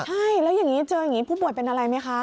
ใช่แล้วเจออย่างนี้ผู้ป่วยเป็นอะไรไหมคะ